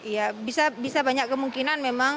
ya bisa banyak kemungkinan memang